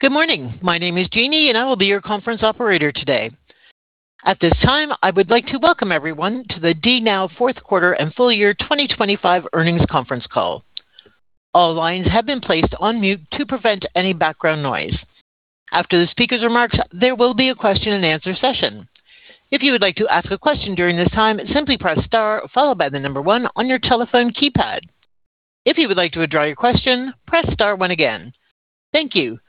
Good morning. My name is Jeannie, and I will be your conference operator today. At this time, I would like to welcome everyone to the DNOW Fourth Quarter and Full Year 2025 Earnings Conference Call. All lines have been placed on mute to prevent any background noise. After the speaker's remarks, there will be a question-and-answer session. If you would like to ask a question during this time, simply press star followed by the number one on your telephone keypad. If you would like to withdraw your question, press star one again. Thank you.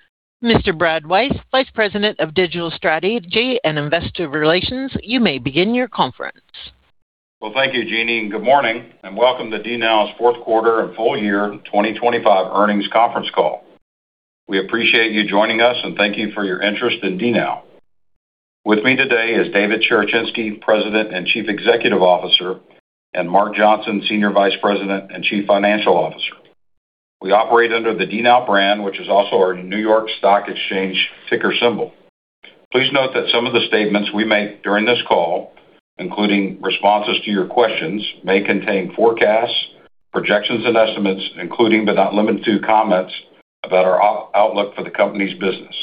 Mr. Brad Wise, Vice President of Digital Strategy and Investor Relations, you may begin your conference. Well, thank you, Jeannie, and good morning, and welcome to DNOW's Fourth Quarter and Full Year 2025 Earnings Conference Call. We appreciate you joining us, and thank you for your interest in DNOW. With me today is David Cherechinsky, President and Chief Executive Officer, and Mark Johnson, Senior Vice President and Chief Financial Officer. We operate under the DNOW brand, which is also our New York Stock Exchange ticker symbol. Please note that some of the statements we make during this call, including responses to your questions, may contain forecasts, projections, and estimates, including but not limited to comments about our outlook for the company's business.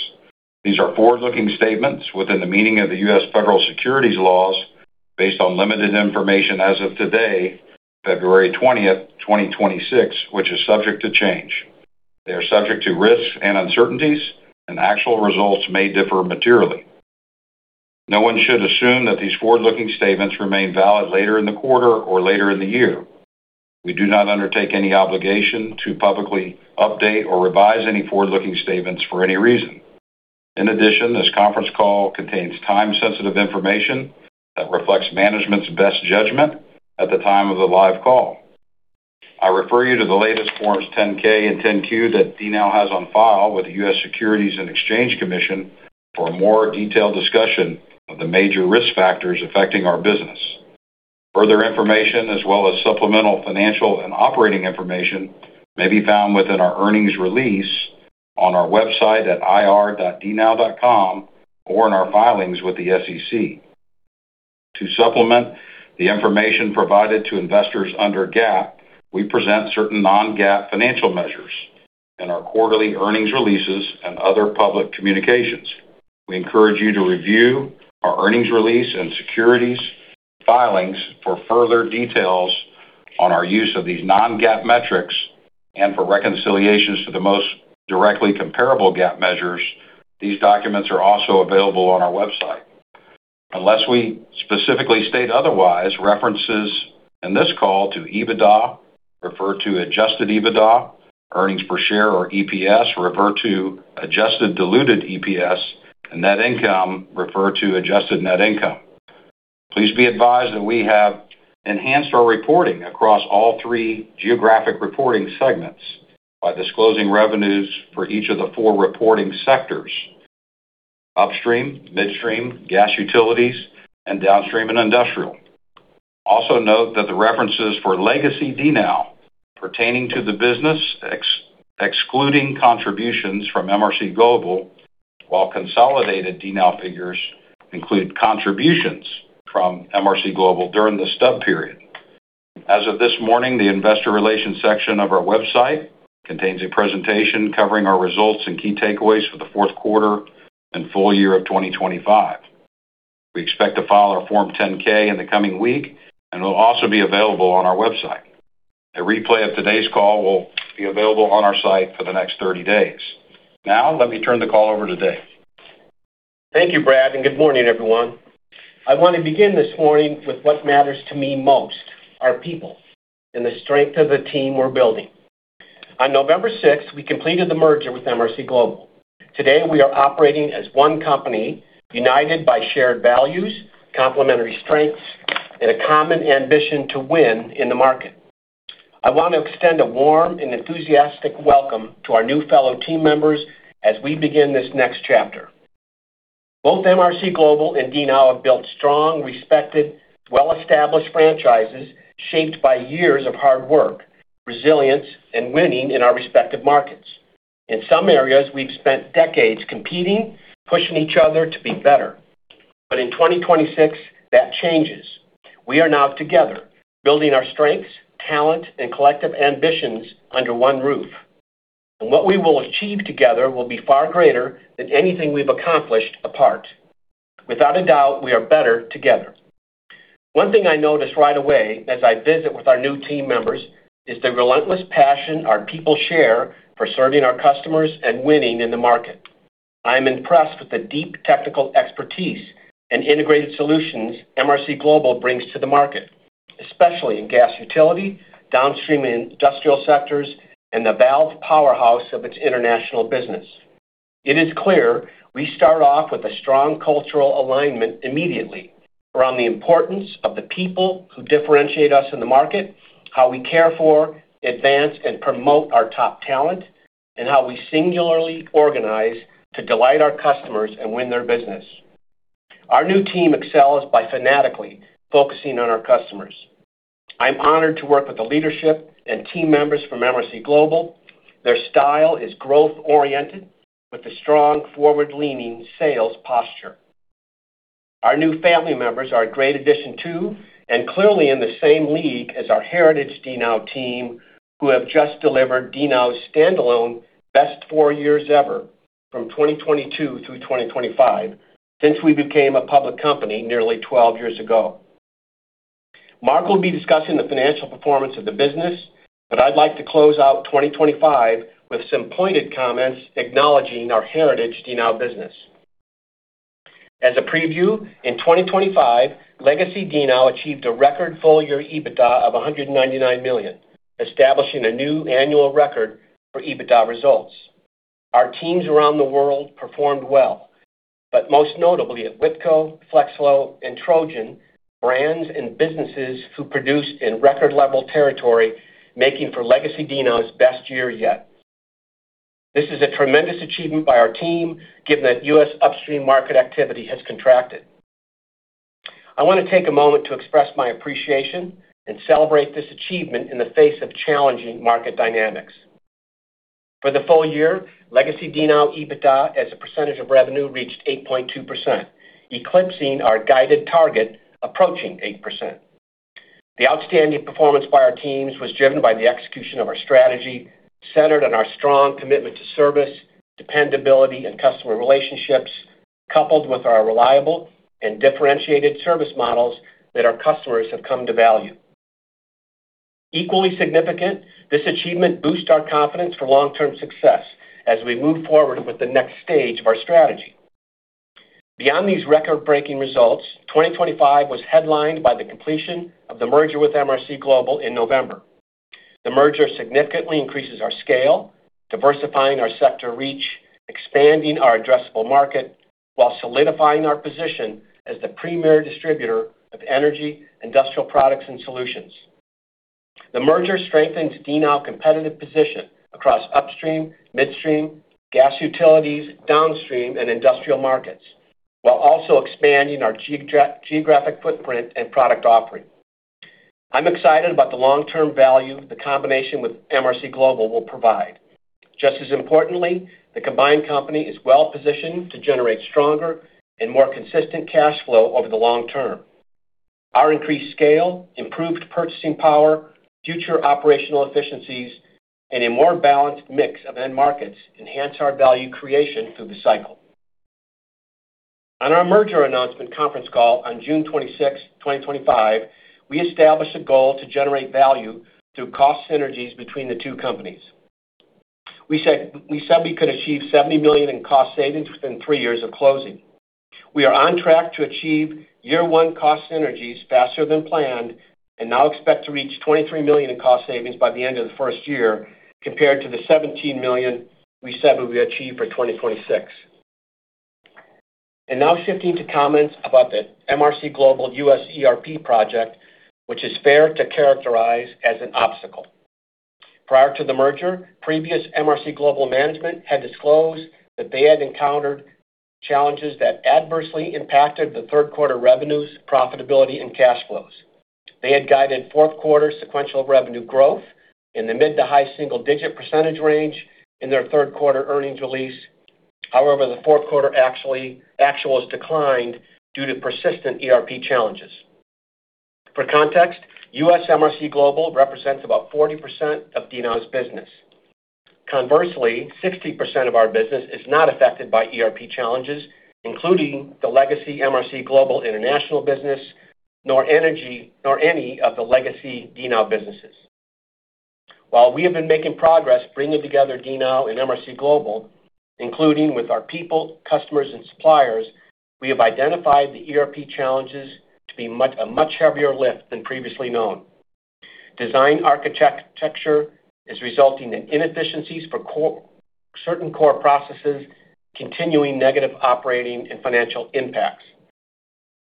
These are forward-looking statements within the meaning of the U.S. Federal securities laws, based on limited information as of today, February 20th, 2026, which is subject to change. They are subject to risks and uncertainties, and actual results may differ materially. No one should assume that these forward-looking statements remain valid later in the quarter or later in the year. We do not undertake any obligation to publicly update or revise any forward-looking statements for any reason. In addition, this conference call contains time-sensitive information that reflects management's best judgment at the time of the live call. I refer you to the latest Forms 10-K and 10-Q that DNOW has on file with the U.S. Securities and Exchange Commission for a more detailed discussion of the major risk factors affecting our business. Further information, as well as supplemental financial and operating information, may be found within our earnings release on our website at ir.dnow.com or in our filings with the SEC. To supplement the information provided to investors under GAAP, we present certain non-GAAP financial measures in our quarterly earnings releases and other public communications. We encourage you to review our earnings release and securities filings for further details on our use of these non-GAAP metrics and for reconciliations to the most directly comparable GAAP measures. These documents are also available on our website. Unless we specifically state otherwise, references in this call to EBITDA refer to adjusted EBITDA, earnings per share, or EPS, refer to adjusted diluted EPS, and net income refer to adjusted net income. Please be advised that we have enhanced our reporting across all three geographic reporting segments by disclosing revenues for each of the four reporting sectors: upstream, midstream, gas utilities, and downstream and industrial. Also, note that the references for legacy DNOW pertaining to the business excluding contributions from MRC Global, while consolidated DNOW figures include contributions from MRC Global during the stub period. As of this morning, the investor relations section of our website contains a presentation covering our results and key takeaways for the fourth quarter and full year of 2025. We expect to file our Form 10-K in the coming week, and it will also be available on our website. A replay of today's call will be available on our site for the next 30 days. Now, let me turn the call over to Dave. Thank you, Brad, and good morning, everyone. I want to begin this morning with what matters to me most, our people, and the strength of the team we're building. On November 6th, we completed the merger with MRC Global. Today, we are operating as one company, united by shared values, complementary strengths, and a common ambition to win in the market. I want to extend a warm and enthusiastic welcome to our new fellow team members as we begin this next chapter. Both MRC Global and DNOW have built strong, respected, well-established franchises shaped by years of hard work, resilience, and winning in our respective markets. In some areas, we've spent decades competing, pushing each other to be better. But in 2026, that changes. We are now together, building our strengths, talent, and collective ambitions under one roof. What we will achieve together will be far greater than anything we've accomplished apart. Without a doubt, we are better together. One thing I notice right away as I visit with our new team members is the relentless passion our people share for serving our customers and winning in the market. I'm impressed with the deep technical expertise and integrated solutions MRC Global brings to the market, especially in gas utility, downstream industrial sectors, and the valve powerhouse of its international business. It is clear we start off with a strong cultural alignment immediately around the importance of the people who differentiate us in the market, how we care for, advance, and promote our top talent, and how we singularly organize to delight our customers and win their business. Our new team excels by fanatically focusing on our customers. I'm honored to work with the leadership and team members from MRC Global. Their style is growth-oriented, with a strong forward-leaning sales posture. Our new family members are a great addition, too, and clearly in the same league as our heritage DNOW team, who have just delivered DNOW's standalone best four years ever, from 2022 through 2025, since we became a public company nearly 12 years ago. Mark will be discussing the financial performance of the business, but I'd like to close out 2025 with some pointed comments acknowledging our heritage DNOW business. As a preview, in 2025, legacy DNOW achieved a record full-year EBITDA of $199 million, establishing a new annual record for EBITDA results. Our teams around the world performed well, but most notably at Whitco, Flex Flow, and Trojan, brands and businesses who produced in record-level territory, making for legacy DNOW's best year yet. This is a tremendous achievement by our team, given that U.S. upstream market activity has contracted. I want to take a moment to express my appreciation and celebrate this achievement in the face of challenging market dynamics. For the full year, legacy DNOW EBITDA, as a percentage of revenue, reached 8.2%, eclipsing our guided target, approaching 8%. The outstanding performance by our teams was driven by the execution of our strategy, centered on our strong commitment to service, dependability, and customer relationships, coupled with our reliable and differentiated service models that our customers have come to value. Equally significant, this achievement boosts our confidence for long-term success as we move forward with the next stage of our strategy. Beyond these record-breaking results, 2025 was headlined by the completion of the merger with MRC Global in November. The merger significantly increases our scale, diversifying our sector reach, expanding our addressable market, while solidifying our position as the premier distributor of energy, industrial products, and solutions. The merger strengthens DNOW's competitive position across upstream, midstream, gas utilities, downstream, and industrial markets, while also expanding our geographic footprint and product offering. I'm excited about the long-term value the combination with MRC Global will provide. Just as importantly, the combined company is well-positioned to generate stronger and more consistent cash flow over the long term. Our increased scale, improved purchasing power, future operational efficiencies, and a more balanced mix of end markets enhance our value creation through the cycle. On our merger announcement conference call on June 26, 2025, we established a goal to generate value through cost synergies between the two companies. We said, we said we could achieve $70 million in cost savings within three years of closing. We are on track to achieve year-one cost synergies faster than planned and now expect to reach $23 million in cost savings by the end of the first year, compared to the $17 million we said would be achieved for 2026. Now shifting to comments about the MRC Global U.S. ERP project, which is fair to characterize as an obstacle. Prior to the merger, previous MRC Global management had disclosed that they had encountered challenges that adversely impacted the third quarter revenues, profitability, and cash flows. They had guided fourth quarter sequential revenue growth in the mid-to-high single-digit percentage range in their third quarter earnings release. However, the fourth quarter actuals declined due to persistent ERP challenges. For context, U.S. MRC Global represents about 40% of DNOW's business. Conversely, 60% of our business is not affected by ERP challenges, including the legacy MRC Global international business, nor energy, nor any of the legacy DNOW businesses. While we have been making progress bringing together DNOW and MRC Global, including with our people, customers, and suppliers, we have identified the ERP challenges to be a much heavier lift than previously known. Design architecture is resulting in inefficiencies for certain core processes, continuing negative operating and financial impacts.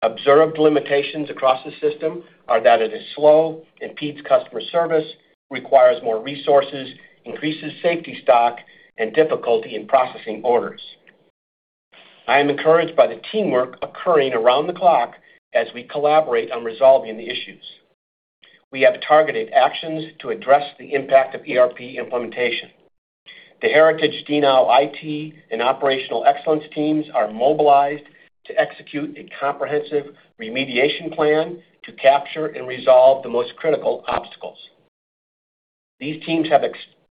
Observed limitations across the system are that it is slow, impedes customer service, requires more resources, increases safety stock, and difficulty in processing orders. I am encouraged by the teamwork occurring around the clock as we collaborate on resolving the issues. We have targeted actions to address the impact of ERP implementation. The heritage DNOW IT and operational excellence teams are mobilized to execute a comprehensive remediation plan to capture and resolve the most critical obstacles. These teams have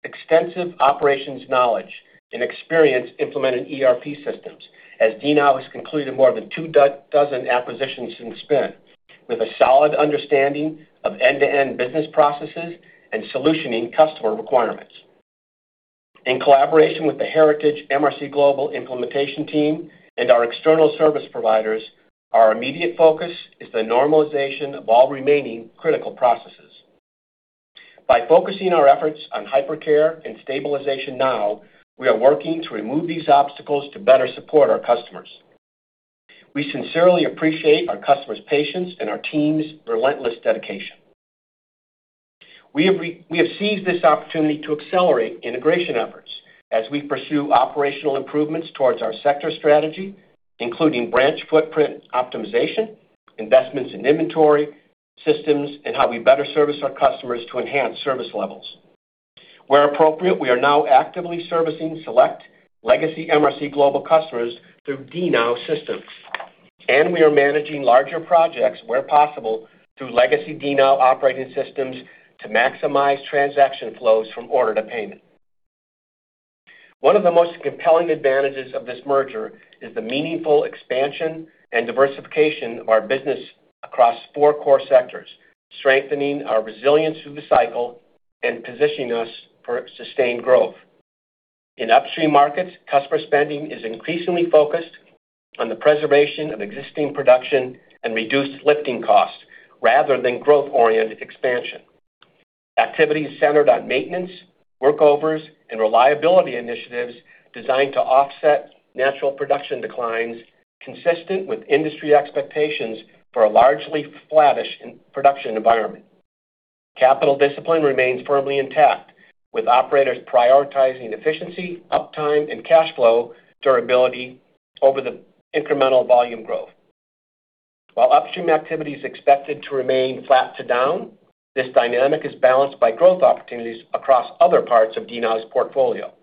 extensive operations knowledge and experience implementing ERP systems, as DNOW has concluded more than 24 acquisitions since spin, with a solid understanding of end-to-end business processes and solutioning customer requirements. In collaboration with the heritage MRC Global implementation team and our external service providers, our immediate focus is the normalization of all remaining critical processes. By focusing our efforts on hypercare and stabilization now, we are working to remove these obstacles to better support our customers. We sincerely appreciate our customers' patience and our team's relentless dedication. We have seized this opportunity to accelerate integration efforts as we pursue operational improvements towards our sector strategy, including branch footprint optimization, investments in inventory systems, and how we better service our customers to enhance service levels. Where appropriate, we are now actively servicing select legacy MRC Global customers through DNOW systems, and we are managing larger projects where possible, through legacy DNOW operating systems to maximize transaction flows from order to payment. One of the most compelling advantages of this merger is the meaningful expansion and diversification of our business across four core sectors, strengthening our resilience through the cycle and positioning us for sustained growth. In upstream markets, customer spending is increasingly focused on the preservation of existing production and reduced lifting costs, rather than growth-oriented expansion. Activity is centered on maintenance, workovers, and reliability initiatives designed to offset natural production declines, consistent with industry expectations for a largely flattish in production environment. Capital discipline remains firmly intact, with operators prioritizing efficiency, uptime, and cash flow durability over the incremental volume growth. While upstream activity is expected to remain flat to down, this dynamic is balanced by growth opportunities across other parts of DNOW's portfolio.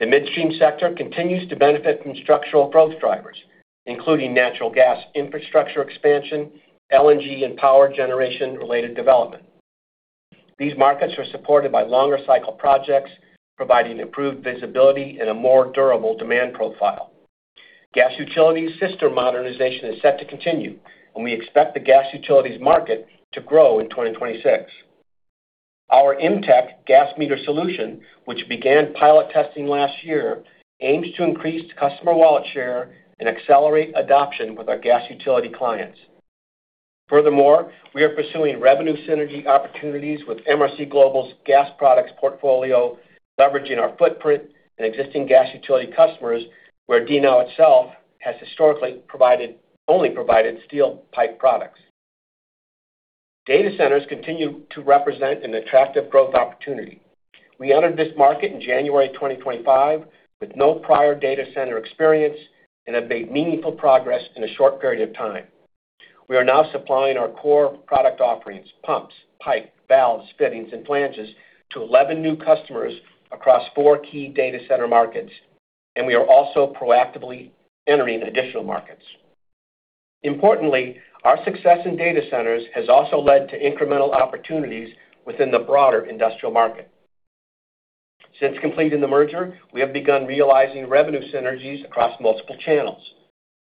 The midstream sector continues to benefit from structural growth drivers, including natural gas infrastructure expansion, LNG, and power generation-related development. These markets are supported by longer cycle projects, providing improved visibility and a more durable demand profile. Gas utility system modernization is set to continue, and we expect the gas utilities market to grow in 2026. Our M-Tech gas meter solution, which began pilot testing last year, aims to increase customer wallet share and accelerate adoption with our gas utility clients. Furthermore, we are pursuing revenue synergy opportunities with MRC Global's gas products portfolio, leveraging our footprint and existing gas utility customers, where DNOW itself has historically only provided steel pipe products. Data centers continue to represent an attractive growth opportunity. We entered this market in January 2025 with no prior data center experience and have made meaningful progress in a short period of time. We are now supplying our core product offerings, pumps, pipe, valves, fittings, and flanges to 11 new customers across four key data center markets, and we are also proactively entering additional markets. Importantly, our success in data centers has also led to incremental opportunities within the broader industrial market. Since completing the merger, we have begun realizing revenue synergies across multiple channels.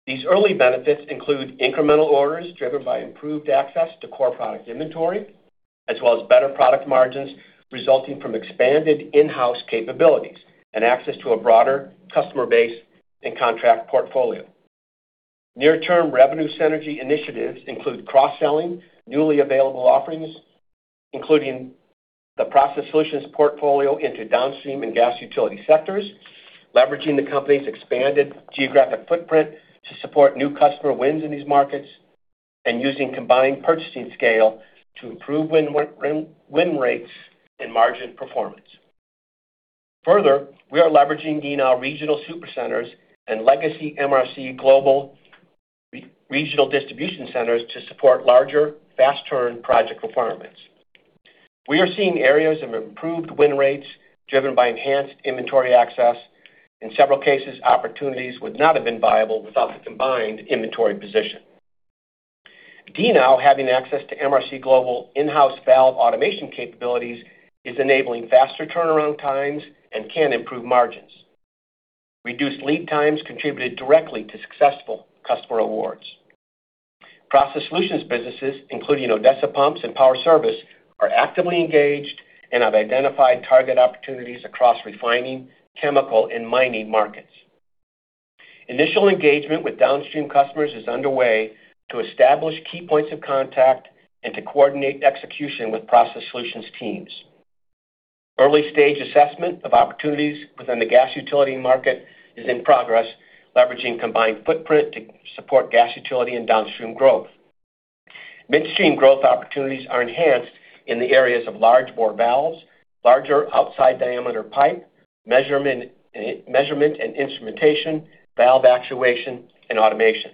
These early benefits include incremental orders, driven by improved access to core product inventory, as well as better product margins, resulting from expanded in-house capabilities and access to a broader customer base and contract portfolio. Near-term revenue synergy initiatives include cross-selling, newly available offerings, including the process solutions portfolio into downstream and gas utility sectors, leveraging the company's expanded geographic footprint to support new customer wins in these markets, and using combined purchasing scale to improve win-win rates and margin performance. Further, we are leveraging DNOW regional super centers and legacy MRC Global regional distribution centers to support larger, fast-turn project requirements. We are seeing areas of improved win rates driven by enhanced inventory access. In several cases, opportunities would not have been viable without the combined inventory position. DNOW, having access to MRC Global in-house valve automation capabilities, is enabling faster turnaround times and can improve margins. Reduced lead times contributed directly to successful customer awards. Process Solutions businesses, including Odessa Pumps and Power Service, are actively engaged and have identified target opportunities across refining, chemical, and mining markets. Initial engagement with downstream customers is underway to establish key points of contact and to coordinate execution with Process Solutions teams. Early-stage assessment of opportunities within the gas utility market is in progress, leveraging combined footprint to support gas utility and downstream growth. Midstream growth opportunities are enhanced in the areas of large bore valves, larger outside diameter pipe, measurement and instrumentation, valve actuation, and automation.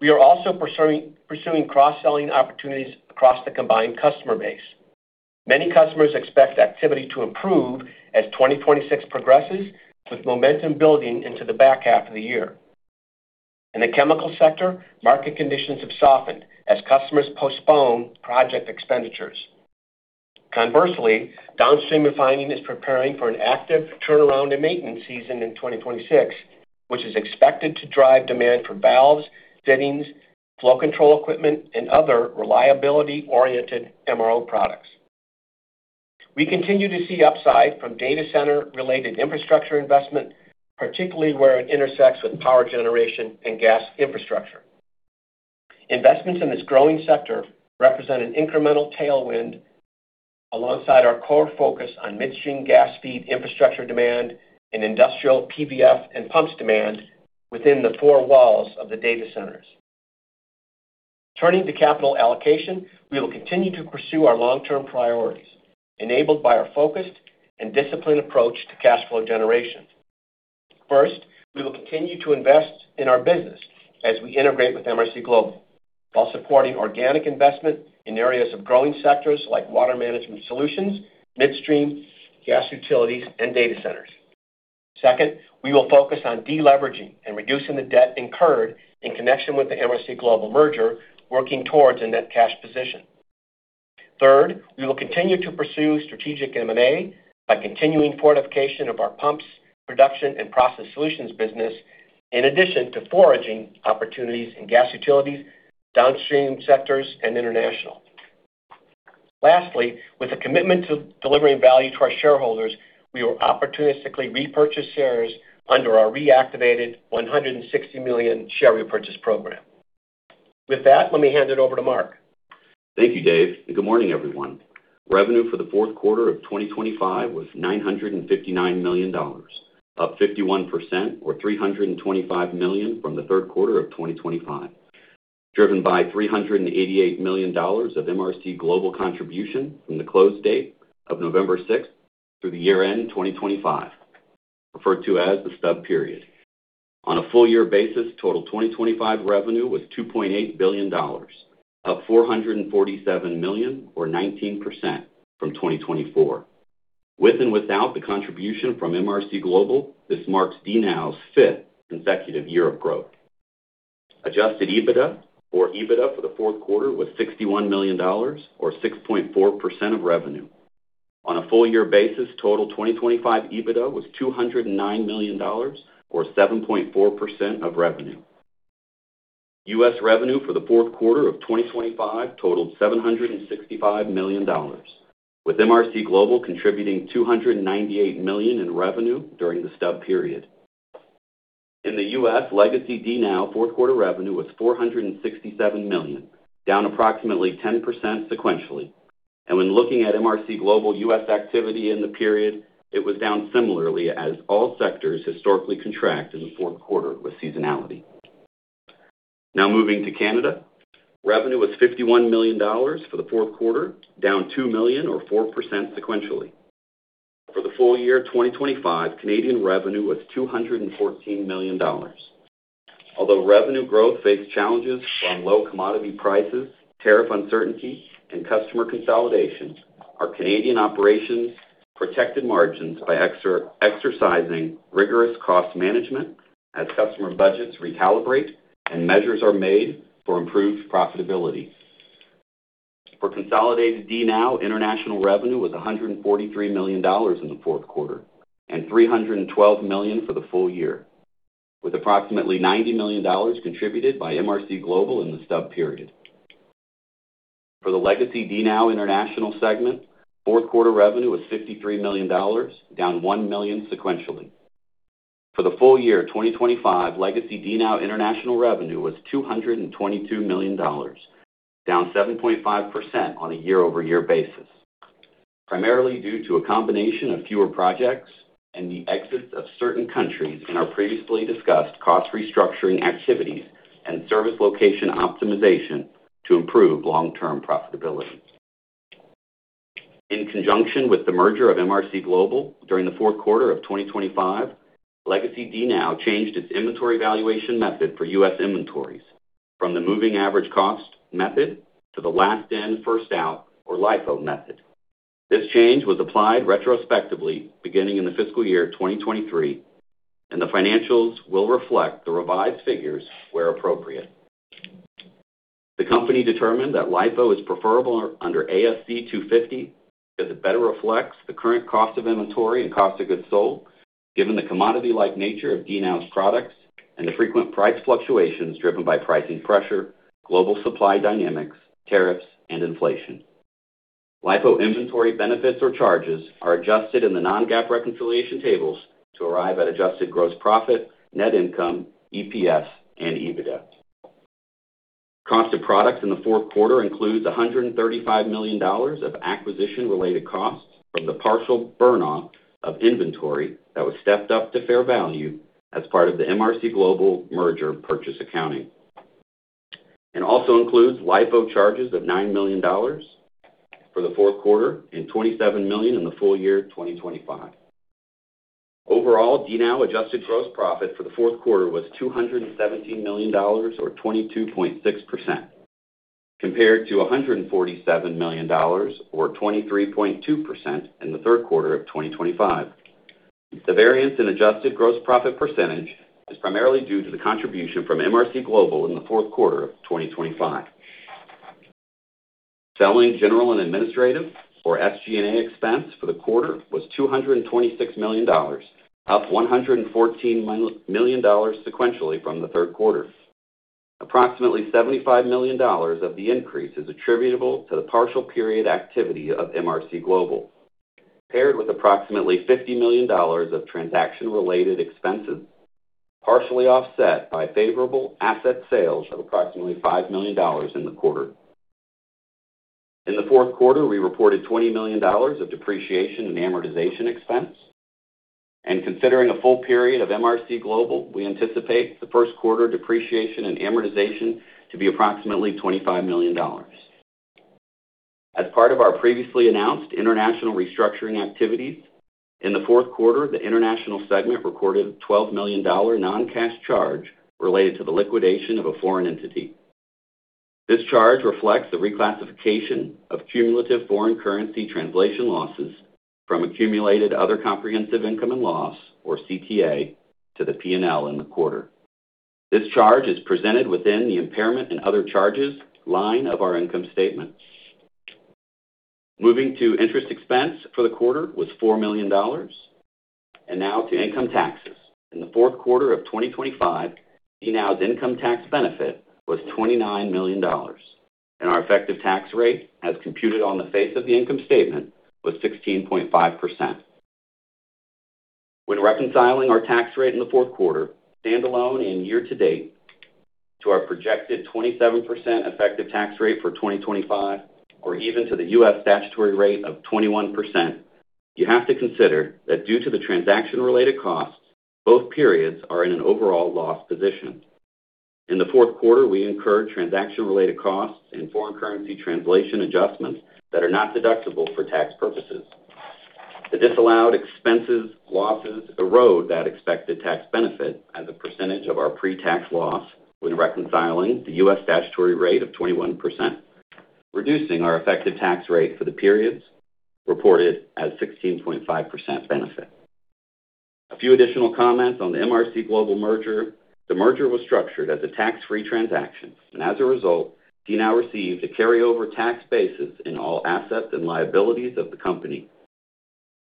We are also pursuing cross-selling opportunities across the combined customer base. Many customers expect activity to improve as 2026 progresses, with momentum building into the back half of the year. In the chemical sector, market conditions have softened as customers postpone project expenditures. Conversely, downstream refining is preparing for an active turnaround in maintenance season in 2026, which is expected to drive demand for valves, fittings, flow control equipment, and other reliability-oriented MRO products. We continue to see upside from data center-related infrastructure investment, particularly where it intersects with power generation and gas infrastructure. Investments in this growing sector represent an incremental tailwind alongside our core focus on midstream gas feed infrastructure demand and industrial PVF and pumps demand within the four walls of the data centers. Turning to capital allocation, we will continue to pursue our long-term priorities, enabled by our focused and disciplined approach to cash flow generation. First, we will continue to invest in our business as we integrate with MRC Global, while supporting organic investment in areas of growing sectors like water management solutions, midstream, gas utilities, and data centers. Second, we will focus on deleveraging and reducing the debt incurred in connection with the MRC Global merger, working towards a net cash position. Third, we will continue to pursue strategic M&A by continuing fortification of our pumps, production, and Process Solutions business, in addition to forging opportunities in gas utilities, downstream sectors, and international. Lastly, with a commitment to delivering value to our shareholders, we will opportunistically repurchase shares under our reactivated 160 million share repurchase program. With that, let me hand it over to Mark. Thank you, Dave, and good morning, everyone. Revenue for the fourth quarter of 2025 was $959 million, up 51% or $325 million from the third quarter of 2025, driven by $388 million of MRC Global contribution from the close date of November 6th through the year-end 2025, referred to as the stub period. On a full year basis, total 2025 revenue was $2.8 billion, up $447 million, or 19% from 2024. With and without the contribution from MRC Global, this marks DNOW's fifth consecutive year of growth. Adjusted EBITDA or EBITDA for the fourth quarter was $61 million or 6.4% of revenue. On a full year basis, total 2025 EBITDA was $209 million, or 7.4% of revenue. U.S. revenue for the fourth quarter of 2025 totaled $765 million, with MRC Global contributing $298 million in revenue during the stub period. In the U.S., legacy DNOW fourth quarter revenue was $467 million, down approximately 10% sequentially. When looking at MRC Global U.S. activity in the period, it was down similarly as all sectors historically contract in the fourth quarter with seasonality. Now moving to Canada. Revenue was $51 million for the fourth quarter, down $2 million or 4% sequentially. For the full year 2025, Canadian revenue was $214 million. Although revenue growth faced challenges from low commodity prices, tariff uncertainty, and customer consolidation, our Canadian operations protected margins by exercising rigorous cost management as customer budgets recalibrate and measures are made for improved profitability. For consolidated DNOW, international revenue was $143 million in the fourth quarter and $312 million for the full year, with approximately $90 million contributed by MRC Global in the stub period. For the legacy DNOW International segment, fourth quarter revenue was $53 million, down $1 million sequentially. For the full year 2025, legacy DNOW International revenue was $222 million, down 7.5% on a year-over-year basis, primarily due to a combination of fewer projects and the exits of certain countries in our previously discussed cost restructuring activities and service location optimization to improve long-term profitability. In conjunction with the merger of MRC Global during the fourth quarter of 2025, legacy DNOW changed its inventory valuation method for U.S. inventories from the moving average cost method to the last in, first out, or LIFO method. This change was applied retrospectively beginning in the fiscal year 2023, and the financials will reflect the revised figures where appropriate. The company determined that LIFO is preferable under ASC 250, because it better reflects the current cost of inventory and cost of goods sold, given the commodity-like nature of DNOW's products and the frequent price fluctuations driven by pricing pressure, global supply dynamics, tariffs, and inflation. LIFO inventory benefits or charges are adjusted in the non-GAAP reconciliation tables to arrive at adjusted gross profit, net income, EPS, and EBITDA. Cost of products in the fourth quarter includes $135 million of acquisition-related costs from the partial burn off of inventory that was stepped up to fair value as part of the MRC Global merger purchase accounting. Also includes LIFO charges of $9 million for the fourth quarter and $27 million in the full year 2025. Overall, DNOW adjusted gross profit for the fourth quarter was $217 million, or 22.6%, compared to $147 million, or 23.2% in the third quarter of 2025. The variance in adjusted gross profit percentage is primarily due to the contribution from MRC Global in the fourth quarter of 2025. Selling, general, and administrative, or SG&A expense for the quarter was $226 million, up $114 million sequentially from the third quarter. Approximately $75 million of the increase is attributable to the partial period activity of MRC Global, paired with approximately $50 million of transaction-related expenses, partially offset by favorable asset sales of approximately $5 million in the quarter. In the fourth quarter, we reported $20 million of depreciation and amortization expense, and considering a full period of MRC Global, we anticipate the first quarter depreciation and amortization to be approximately $25 million. As part of our previously announced international restructuring activities, in the fourth quarter, the international segment recorded $12 million non-cash charge related to the liquidation of a foreign entity. This charge reflects the reclassification of cumulative foreign currency translation losses from accumulated other comprehensive income and loss, or CTA, to the P&L in the quarter. This charge is presented within the impairment and other charges line of our income statement. Moving to interest expense for the quarter was $4 million, and now to income taxes. In the fourth quarter of 2025, DNOW's income tax benefit was $29 million, and our effective tax rate, as computed on the face of the income statement, was 16.5%. When reconciling our tax rate in the fourth quarter, standalone and year-to-date to our projected 27% effective tax rate for 2025, or even to the U.S. statutory rate of 21%, you have to consider that due to the transaction-related costs, both periods are in an overall loss position. In the fourth quarter, we incurred transaction-related costs and foreign currency translation adjustments that are not deductible for tax purposes. The disallowed expenses, losses, erode that expected tax benefit as a percentage of our pre-tax loss when reconciling the U.S. statutory rate of 21%, reducing our effective tax rate for the periods reported as 16.5% benefit. A few additional comments on the MRC Global merger. The merger was structured as a tax-free transaction, and as a result, DNOW received a carryover tax basis in all assets and liabilities of the company.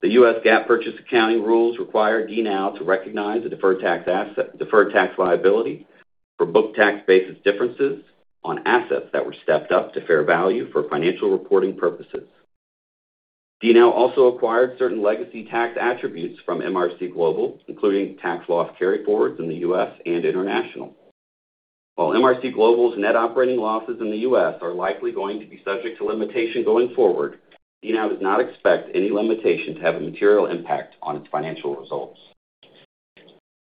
The U.S. GAAP purchase accounting rules require DNOW to recognize the deferred tax asset, deferred tax liability for book tax basis differences on assets that were stepped up to fair value for financial reporting purposes. DNOW also acquired certain legacy tax attributes from MRC Global, including tax loss carryforwards in the U.S. and international. While MRC Global's net operating losses in the U.S. are likely going to be subject to limitation going forward, DNOW does not expect any limitation to have a material impact on its financial results.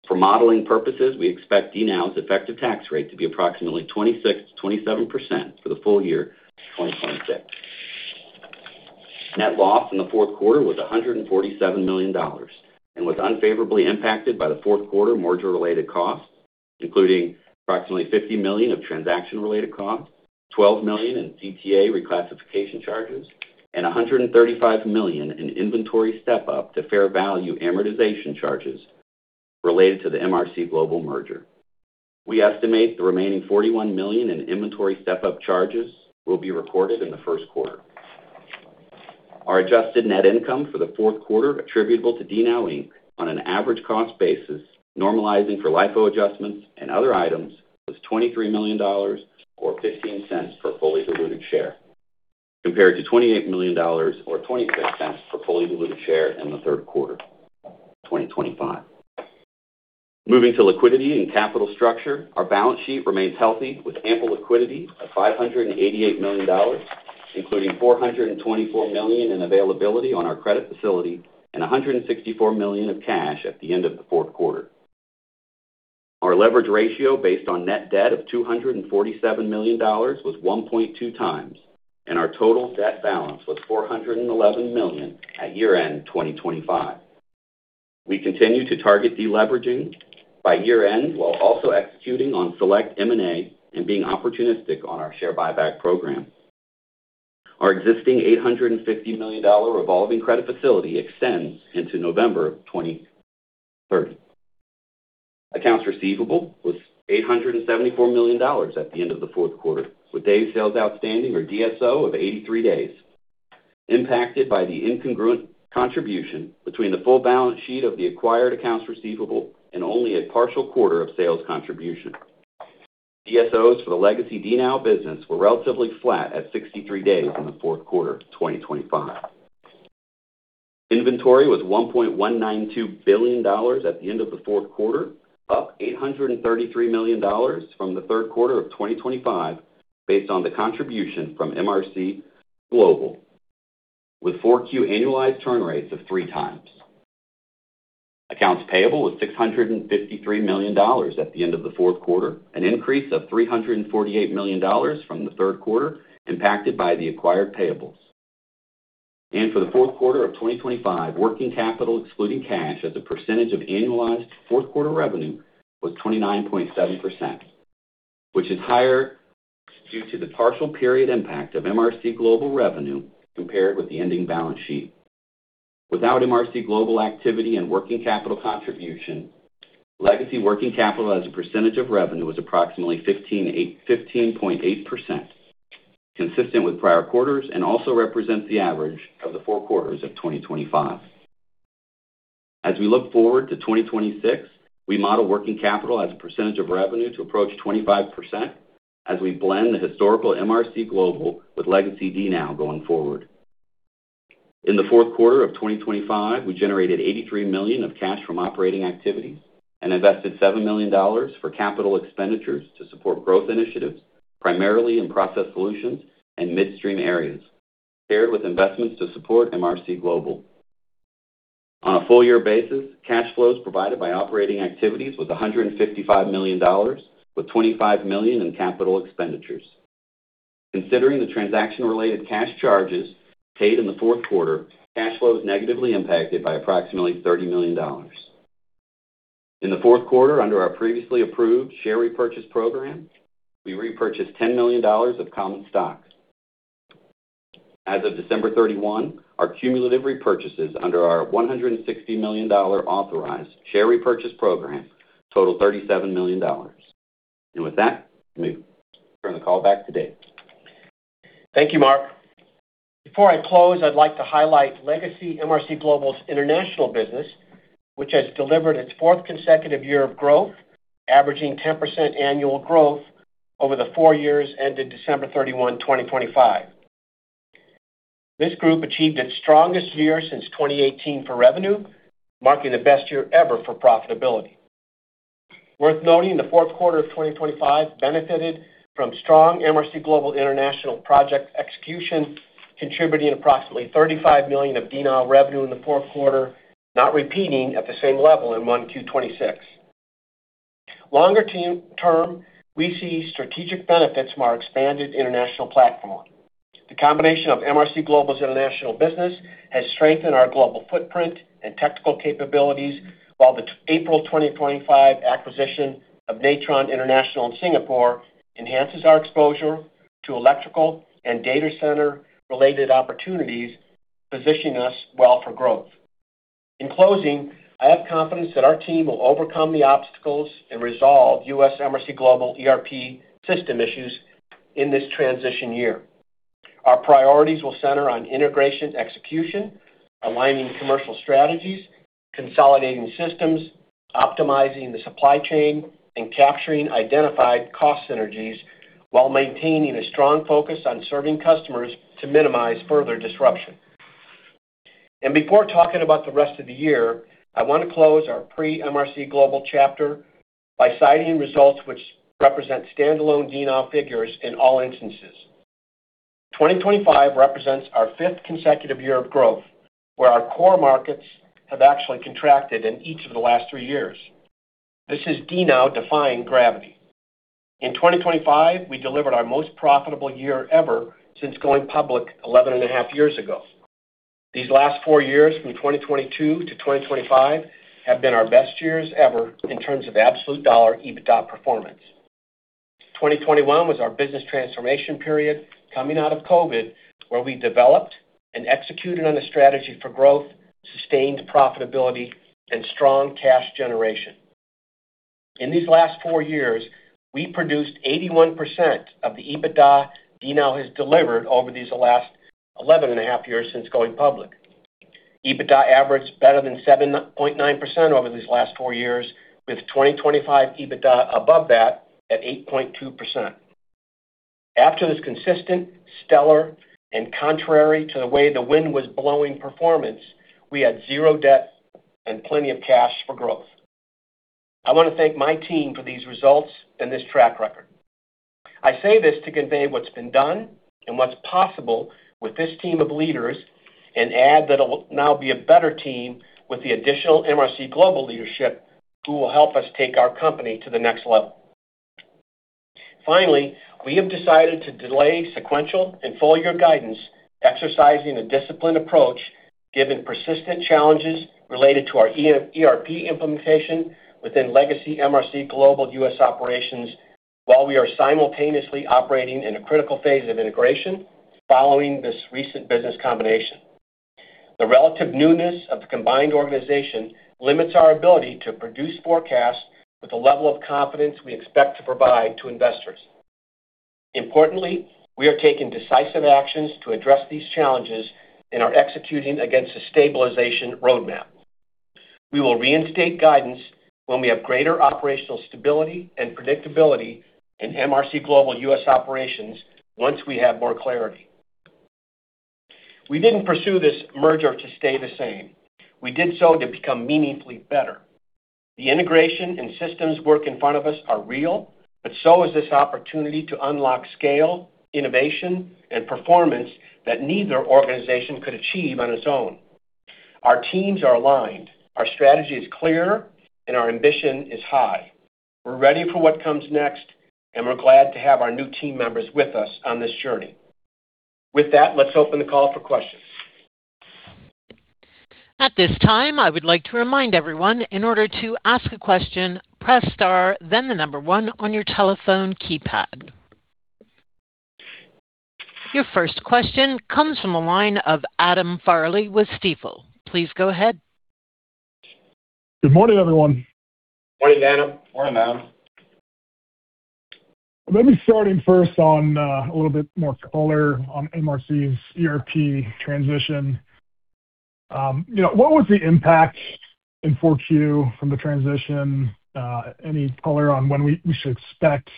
For modeling purposes, we expect DNOW's effective tax rate to be approximately 26%-27% for the full year of 2026. Net loss in the fourth quarter was $147 million and was unfavorably impacted by the fourth quarter merger-related costs, including approximately $50 million of transaction-related costs, $12 million in CTA reclassification charges, and $135 million in inventory step-up to fair value amortization charges related to the MRC Global merger. We estimate the remaining $41 million in inventory step-up charges will be recorded in the first quarter. Our adjusted net income for the fourth quarter, attributable to DNOW Inc., on an average cost basis, normalizing for LIFO adjustments and other items, was $23 million or $0.15 per fully diluted share, compared to $28 million or $0.26 per fully diluted share in the third quarter of 2025. Moving to liquidity and capital structure. Our balance sheet remains healthy, with ample liquidity of $588 million, including $424 million in availability on our credit facility and $164 million of cash at the end of the fourth quarter. Our leverage ratio, based on net debt of $247 million, was 1.2x, and our total debt balance was $411 million at year-end 2025. We continue to target deleveraging by year-end, while also executing on select M&A and being opportunistic on our share buyback program. Our existing $850 million revolving credit facility extends into November 2030. Accounts receivable was $874 million at the end of the fourth quarter, with day sales outstanding or DSO of 83 days, impacted by the incongruent contribution between the full balance sheet of the acquired accounts receivable and only a partial quarter of sales contribution. DSOs for the legacy DNOW business were relatively flat at 63 days in the fourth quarter of 2025. Inventory was $1.192 billion at the end of the fourth quarter, up $833 million from the third quarter of 2025, based on the contribution from MRC Global, with 4Q annualized turn rates of 3x. Accounts payable was $653 million at the end of the fourth quarter, an increase of $348 million from the third quarter, impacted by the acquired payables. For the fourth quarter of 2025, working capital, excluding cash, as a percentage of annualized fourth quarter revenue, was 29.7%, which is higher due to the partial period impact of MRC Global revenue compared with the ending balance sheet. Without MRC Global activity and working capital contribution, legacy working capital as a percentage of revenue was approximately 15.8%, consistent with prior quarters and also represents the average of the four quarters of 2025. As we look forward to 2026, we model working capital as a percentage of revenue to approach 25% as we blend the historical MRC Global with legacy DNOW going forward. In the fourth quarter of 2025, we generated $83 million of cash from operating activities and invested $7 million for capital expenditures to support growth initiatives, primarily in Process Solutions and midstream areas, paired with investments to support MRC Global. On a full year basis, cash flows provided by operating activities was $155 million, with $25 million in capital expenditures. Considering the transaction-related cash charges paid in the fourth quarter, cash flow was negatively impacted by approximately $30 million. In the fourth quarter, under our previously approved share repurchase program, we repurchased $10 million of common stock. As of December 31, our cumulative repurchases under our $160 million authorized share repurchase program total $37 million. With that, let me turn the call back to Dave. Thank you, Mark. Before I close, I'd like to highlight legacy MRC Global's international business, which has delivered its fourth consecutive year of growth, averaging 10% annual growth over the four years ended December 31, 2025. This group achieved its strongest year since 2018 for revenue, marking the best year ever for profitability. Worth noting, the fourth quarter of 2025 benefited from strong MRC Global International project execution, contributing approximately $35 million of DNOW revenue in the fourth quarter, not repeating at the same level in 1Q 2026. Longer term, we see strategic benefits from our expanded international platform. The combination of MRC Global's international business has strengthened our global footprint and technical capabilities, while the April 2025 acquisition of NATRON International in Singapore enhances our exposure to electrical and data center-related opportunities, positioning us well for growth. In closing, I have confidence that our team will overcome the obstacles and resolve U.S. MRC Global ERP system issues in this transition year. Our priorities will center on integration, execution, aligning commercial strategies, consolidating systems, optimizing the supply chain, and capturing identified cost synergies while maintaining a strong focus on serving customers to minimize further disruption. Before talking about the rest of the year, I want to close our pre-MRC Global chapter by citing results which represent standalone DNOW figures in all instances. 2025 represents our fifth consecutive year of growth, where our core markets have actually contracted in each of the last three years. This is DNOW defying gravity. In 2025, we delivered our most profitable year ever since going public 11.5 years ago. These last four years, from 2022 to 2025, have been our best years ever in terms of absolute dollar EBITDA performance. 2021 was our business transformation period, coming out of COVID, where we developed and executed on a strategy for growth, sustained profitability, and strong cash generation. In these last four years, we produced 81% of the EBITDA DNOW has delivered over these last 11.5 years since going public. EBITDA averaged better than 7.9% over these last four years, with 2025 EBITDA above that at 8.2%. After this consistent, stellar, and contrary to the way the wind was blowing performance, we had zero debt and plenty of cash for growth. I want to thank my team for these results and this track record. I say this to convey what's been done and what's possible with this team of leaders, and add that it'll now be a better team with the additional MRC Global leadership, who will help us take our company to the next level. Finally, we have decided to delay sequential and full year guidance, exercising a disciplined approach given persistent challenges related to our ERP implementation within legacy MRC Global U.S. operations, while we are simultaneously operating in a critical phase of integration following this recent business combination. The relative newness of the combined organization limits our ability to produce forecasts with the level of confidence we expect to provide to investors. Importantly, we are taking decisive actions to address these challenges and are executing against a stabilization roadmap. We will reinstate guidance when we have greater operational stability and predictability in MRC Global U.S. operations once we have more clarity. We didn't pursue this merger to stay the same. We did so to become meaningfully better. The integration and systems work in front of us are real, but so is this opportunity to unlock scale, innovation, and performance that neither organization could achieve on its own. Our teams are aligned, our strategy is clear, and our ambition is high. We're ready for what comes next, and we're glad to have our new team members with us on this journey. With that, let's open the call for questions. At this time, I would like to remind everyone, in order to ask a question, press star, then the number one on your telephone keypad. Your first question comes from the line of Adam Farley with Stifel. Please go ahead. Good morning, everyone. Morning, Adam. Morning, Adam. Let me start first on a little bit more color on MRC's ERP transition. You know, what was the impact in Q4 from the transition? Any color on when we should expect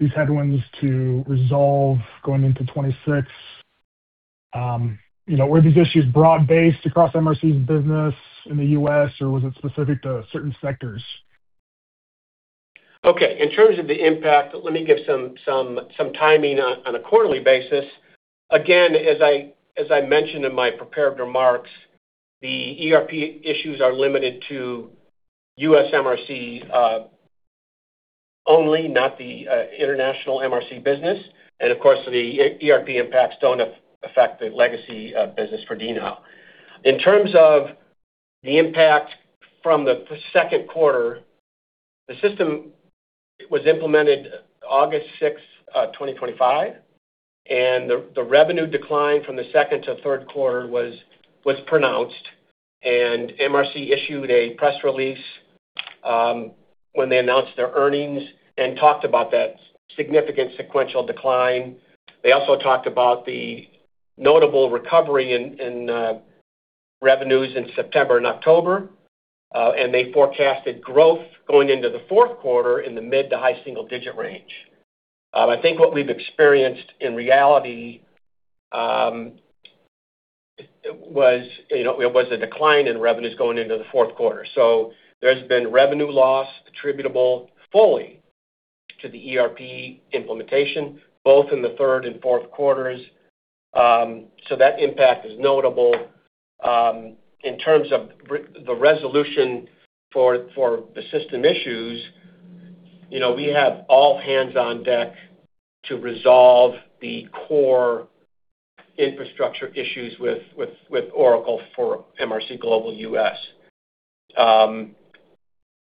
these headwinds to resolve going into 2026? You know, were these issues broad-based across MRC's business in the U.S., or was it specific to certain sectors? Okay, in terms of the impact, let me give some timing on a quarterly basis. Again, as I mentioned in my prepared remarks, the ERP issues are limited to U.S. MRC only, not the international MRC business. And of course, the ERP impacts don't affect the legacy business for DNOW. In terms of the impact from the second quarter, the system was implemented August 6th, 2025, and the revenue decline from the second to third quarter was pronounced. And MRC issued a press release when they announced their earnings and talked about that significant sequential decline. They also talked about the notable recovery in revenues in September and October, and they forecasted growth going into the fourth quarter in the mid to high single-digit range. I think what we've experienced in reality was, you know, it was a decline in revenues going into the fourth quarter. So there's been revenue loss attributable fully to the ERP implementation, both in the third and fourth quarters. So that impact is notable. In terms of the resolution for the system issues, you know, we have all hands on deck to resolve the core infrastructure issues with Oracle for MRC Global U.S.